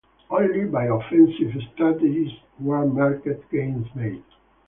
Only by offensive strategies, were market gains made.